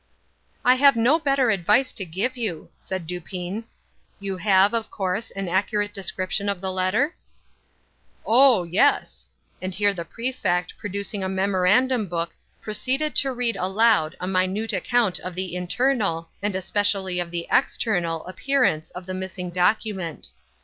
"I have no better advice to give you," said Dupin. "You have, of course, an accurate description of the letter?" "Oh yes!"—And here the Prefect, producing a memorandum book, proceeded to read aloud a minute account of the internal, and especially of the external appearance of the missing document.